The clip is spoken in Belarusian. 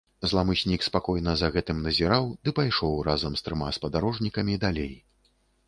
Зламыснік спакойна за гэтым назіраў ды пайшоў разам з трыма спадарожнікамі далей.